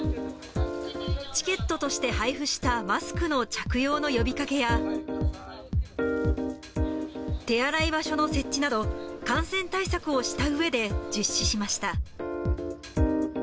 チケットとして配布したマスクの着用の呼びかけや、手洗い場所の設置など、感染対策をしたうえで実施しました。